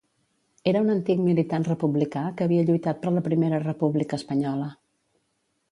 Era un antic militant republicà que havia lluitat per la Primera República Espanyola.